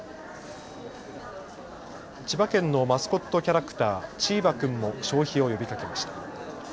千葉県のマスコットキャラクター、チーバくんも消費を呼びかけました。